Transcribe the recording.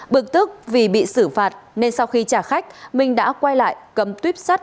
bực tức vì bị xử phạt nên sau khi trả khách minh đã quay lại cầm tuyếp sắt